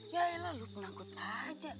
ya elah lu penangkut aja